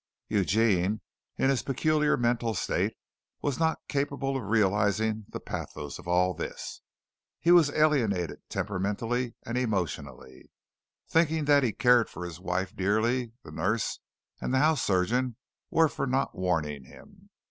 Eugene in his peculiar mental state was not capable of realizing the pathos of all this. He was alienated temperamentally and emotionally. Thinking that he cared for his wife dearly, the nurse and the house surgeon were for not warning him.